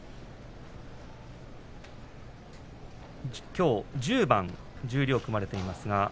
きょう十両は１０番取組が組まれています。